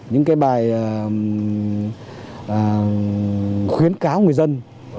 những cái bài khuyến cáo người dân